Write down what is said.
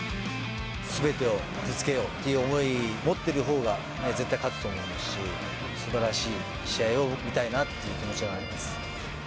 すべてをぶつけようっていう思いを持ってるほうが絶対勝つと思いますし、すばらしい試合を僕は見たいなっていう気持ちはあります。